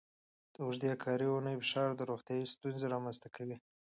د اوږدې کاري اونۍ فشار د روغتیا ستونزې رامنځته کوي.